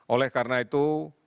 oleh karena itu